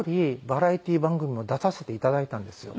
バラエティー番組も出させて頂いたんですよ。